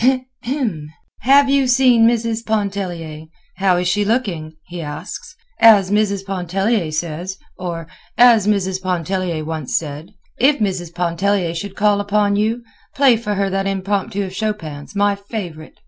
'Have you seen Mrs. Pontellier? How is she looking?' he asks. 'As Mrs. Pontellier says,' or 'as Mrs. Pontellier once said.' 'If Mrs. Pontellier should call upon you, play for her that Impromptu of Chopin's, my favorite.